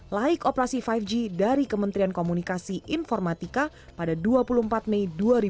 laik operasi lima g dari kementerian komunikasi informatika pada dua puluh empat mei dua ribu dua puluh